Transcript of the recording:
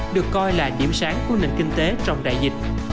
được coi là điểm sáng của nền kinh tế trong đại dịch